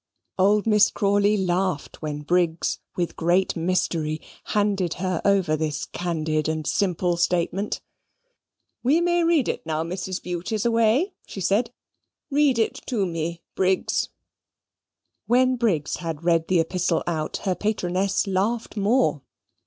Old Miss Crawley laughed when Briggs, with great mystery, handed her over this candid and simple statement. "We may read it now Mrs. Bute is away," she said. "Read it to me, Briggs." When Briggs had read the epistle out, her patroness laughed more.